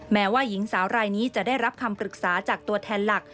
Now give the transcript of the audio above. แม้ว่าหญิงสาวรายนี้จะได้รับคำปรึกษาจากตัวแทนหลัก